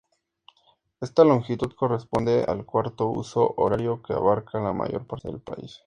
Esta longitud corresponde al cuarto huso horario, que abarca la mayor parte del país.